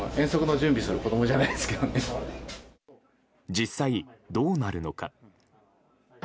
実際、どうなるのか。